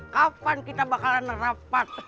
kapan kita bakalan rapat